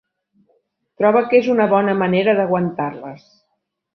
Troba que és una bona manera d'aguantar-les.